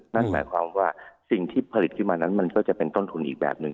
นั่นหมายความว่าสิ่งที่ผลิตขึ้นมานั้นมันก็จะเป็นต้นทุนอีกแบบหนึ่ง